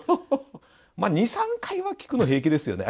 まあ２３回は聞くの平気ですよね